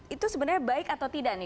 itu sebenarnya baik atau tidak nih